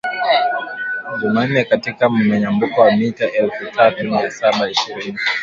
Jumanne katika mnyanyuko wa mita elfu tatu mia saba ishirini